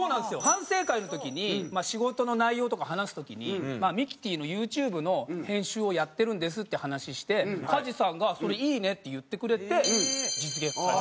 反省会の時に仕事の内容とか話す時にミキティのＹｏｕＴｕｂｅの編集をやってるんですっていう話して加地さんが「それいいね」って言ってくれて実現された。